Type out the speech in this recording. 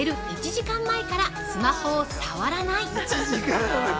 １時間前からスマホを触らない。